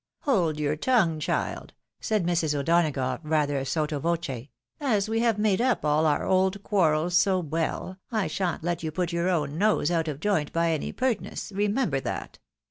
" Hold your tongue, child !" said Mrs. O'Donagough, rather sotto voce; " as we have made up aU our old quarrels so well, I shan't let you put your own nose out of joint by any pertness, remember that.